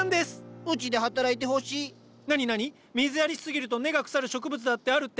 水やりしすぎると根が腐る植物だってあるって？